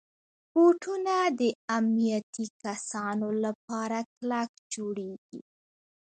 بوټونه د امنیتي کسانو لپاره کلک جوړېږي.